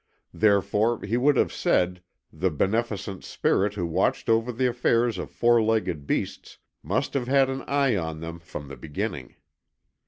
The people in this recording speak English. Therefore, he would have said, the Beneficent Spirit who watched over the affairs of four legged beasts must have had an eye on them from the beginning.